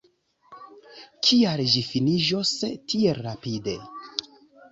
Kial ĝi finiĝos tiel rapide?